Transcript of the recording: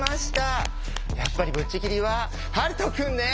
やっぱりぶっちぎりは遥人くんね。